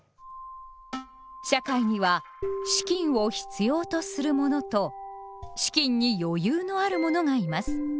社会には「資金を必要とする者」と「資金に余裕のある者」がいます。